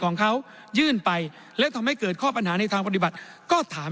ของเขายื่นไปแล้วทำให้เกิดข้อปัญหาในทางปฏิบัติก็ถาม